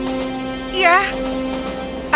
aku berada di rumahmu